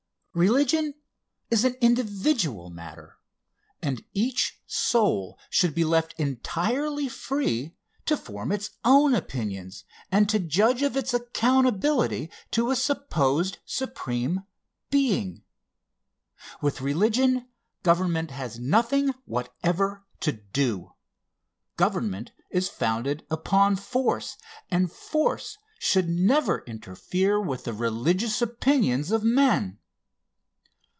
Religion is an individual matter, and each soul should be left entirely free to form its own opinions and to judge of its accountability to a supposed supreme being. With religion, government has nothing whatever to do. Government is founded upon force, and force should never interfere with the religious opinions of men.